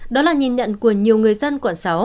đó là nhìn nhận của nhiều người dân quận sáu